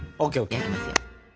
焼きますよ。